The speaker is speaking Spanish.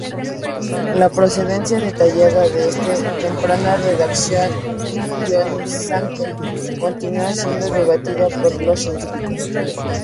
La procedencia detallada de esta temprana radiación ionizante continúa siendo debatida por los científicos.